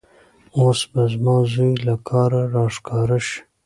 اوس به زما زوی له کاره راښکاره شي.